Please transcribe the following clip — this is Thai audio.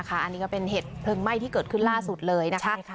อันนี้ก็เป็นเหตุเพลิงไหม้ที่เกิดขึ้นล่าสุดเลยนะคะ